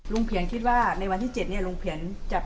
ลุงเผียนคิดว่าในวันที่๗เนี่ย